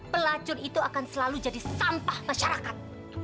pelacur itu akan selalu jadi sampah masyarakat